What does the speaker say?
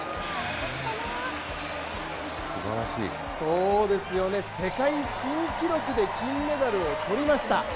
そうですよね、世界新記録で金メダルを取りました。